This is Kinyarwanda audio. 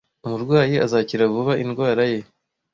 Umurwayi azakira vuba indwara ye.